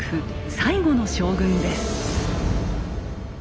最後の将軍です。